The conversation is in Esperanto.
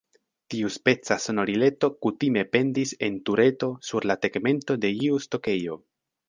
Tiuspeca sonorileto kutime pendis en tureto sur la tegmento de iu stokejo.